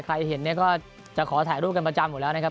ใครเห็นเนี่ยก็จะขอถ่ายรูปกันประจำอยู่แล้วนะครับ